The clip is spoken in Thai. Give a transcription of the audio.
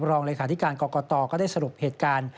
รองเลขาธิการกรกตก็ได้สรุปเหตุการณ์